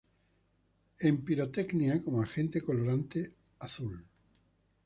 En pirotecnia como agente colorante azul.